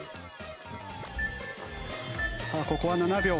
さあここは７秒。